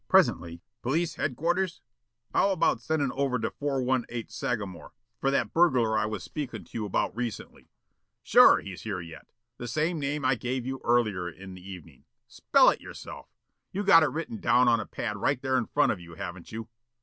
Presently: "Police headquarters? ... How about sending over to 418 Sagamore for that burglar I was speakin' to you about recently? ... Sure, he's here yet. ... The same name I gave you earlier in the evening. ... Spell it yourself. You got it written down on a pad right there in front of you, haven't you?